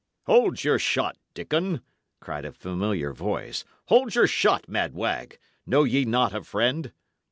"Hold your shot, Dickon!" cried a familiar voice. "Hold your shot, mad wag! Know ye not a friend?"